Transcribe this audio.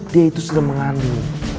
dia itu sedang mengandung